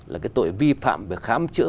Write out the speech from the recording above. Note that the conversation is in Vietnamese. là cái tội vi phạm về khám chữa